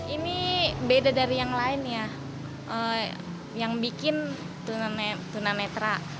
ini beda dari yang lain ya yang bikin tunanetra